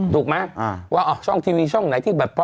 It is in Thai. ถูกมั้ยว่าช่องทีวีช่องไหนที่แบบ